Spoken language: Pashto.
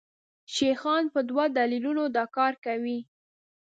شیخان په دوو دلیلونو دا کار کوي.